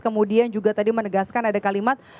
kemudian juga tadi menegaskan ada kalimat